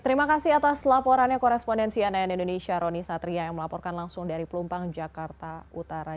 terima kasih atas laporannya korespondensi ann indonesia roni satria yang melaporkan langsung dari pelumpang jakarta utara